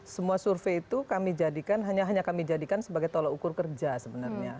semua survei itu kami jadikan hanya kami jadikan sebagai tolak ukur kerja sebenarnya